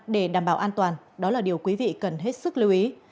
để đảm bảo an toàn đó là điều quý vị cần hết sức lưu ý